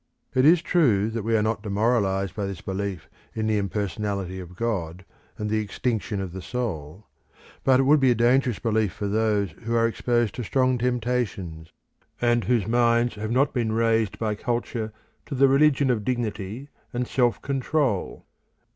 It is true that we are not demoralised by this belief in the impersonality of God and the extinction of the soul; but it would be a dangerous belief for those who are exposed to strong temptations, and whose minds have not been raised by culture to the religion of dignity and self control."